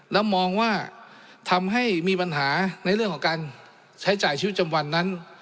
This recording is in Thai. แล้วมองว่าทำให้มีปัญหาในเรื่องของการใช้จ่ายชีวิตจำวันนั้น